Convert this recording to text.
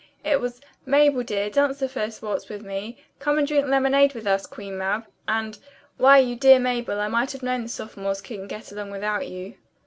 It was: "Mabel, dear, dance the first waltz with me;" "Come and drink lemonade with us, Queen Mab," and "Why, you dear Mabel, I might have known the sophomores couldn't get along without you."